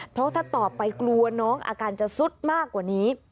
เพราะถ้าต่อไปกลัวน้องอาการจะสุดมากกว่านี้